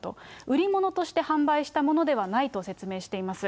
売り物として販売したものではないと説明しています。